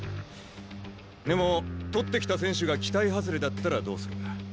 でも獲ってきた選手が期待外れだったらどうする？